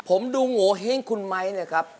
ผมดูโงแห้งคุณไมครับ